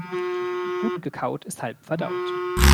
Gut gekaut ist halb verdaut.